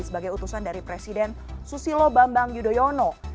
sebagai utusan dari presiden susilo bambang yudhoyono